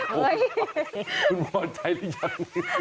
คุณปลอดใจหรือยัง